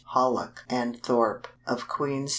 Hallock & Thorp, of Queens, N.